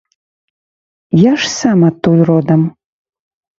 Я ж сам адтуль родам.